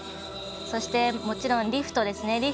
そして、もちろんリフトですね。